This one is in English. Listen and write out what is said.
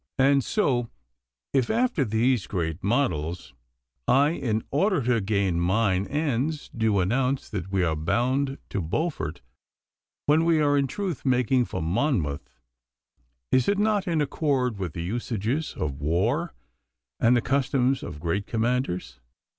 And so if, after these great models, I in order to gain mine ends do announce that we are bound to Beaufort when we are in truth making for Monmouth, is it not in accord with the usages of war and the customs of great commanders?